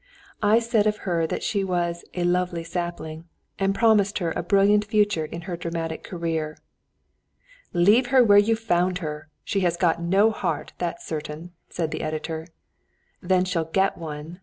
I said of her that she was "a lovely sapling!" and promised her a brilliant future in her dramatic career. "Leave her where you found her! She has got no heart that's certain!" said the editor. "Then she'll get one!"